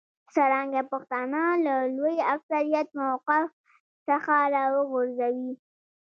څرنګه پښتانه له لوی اکثریت موقف څخه راوغورځوي.